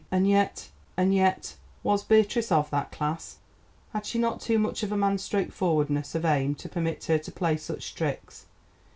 And yet, and yet—was Beatrice of that class? Had she not too much of a man's straightforwardness of aim to permit her to play such tricks?